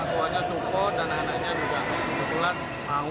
kebetulan orang tuanya dukuh dan anak anaknya juga kebetulan mau